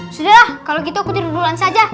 sudahlah kalau gitu aku diruluan saja